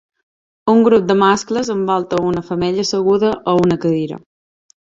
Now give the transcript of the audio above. Un grup de mascles envolta a una femella asseguda a una cadira.